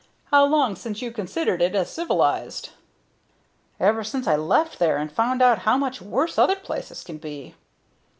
"How long since you considered it as civilized?" "Ever since I left there and found out how much worse other places could be."